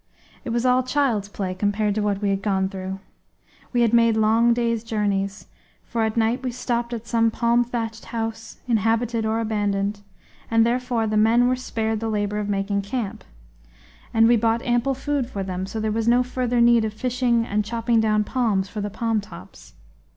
It was all child's play compared to what we had gone through. We made long days' journeys, for at night we stopped at some palm thatched house, inhabited or abandoned, and therefore the men were spared the labor of making camp; and we bought ample food for them, so there was no further need of fishing and chopping down palms for the palmtops.